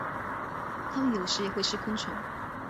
它们有时也会吃昆虫。